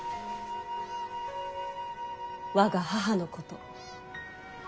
我が母のこと。